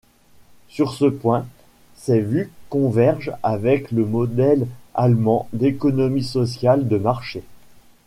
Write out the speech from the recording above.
Sur ce point, ses vues convergent avec le modèle allemand d'économie sociale de marché.